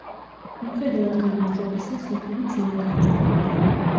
მიუხედავად გამარჯვებისა სოფელი ძლიერ დაზარალდა.